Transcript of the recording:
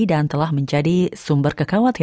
dan telah menjadi sumber kekawasan